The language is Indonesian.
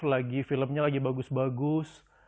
lagi filmnya lagi bagus bagus